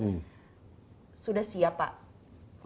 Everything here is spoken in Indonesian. sudah siap pak